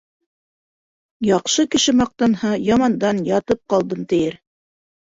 Яҡшы кеше маҡтанһа, ямандан ятып ҡалдым, тиер.